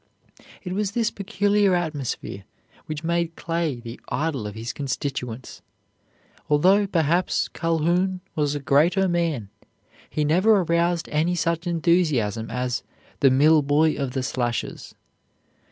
It was this peculiar atmosphere which made Clay the idol of his constituents. Although, perhaps, Calhoun was a greater man, he never aroused any such enthusiasm as "the mill boy of the slashes."